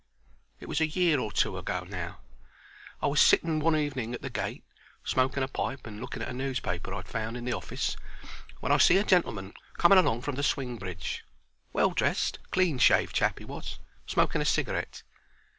It was a year or two ago now. I was sitting one evening at the gate, smoking a pipe and looking at a newspaper I 'ad found in the office, when I see a gentleman coming along from the swing bridge. Well dressed, clean shaved chap 'e was, smoking a cigarette.